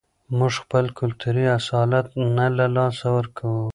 موږ خپل کلتوري اصالت نه له لاسه ورکوو.